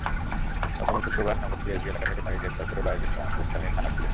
গতকাল শুক্রবার নগরের সিআরবি এলাকা থেকে তাঁকে গ্রেপ্তার করে বায়েজিদ বোস্তামী থানা-পুলিশ।